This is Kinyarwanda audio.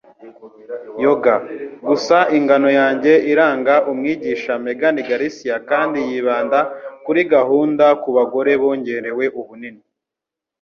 Yoga: Gusa Ingano yanjye iranga umwigisha Megan Garcia kandi yibanda kuri gahunda kubagore bongerewe ubunini.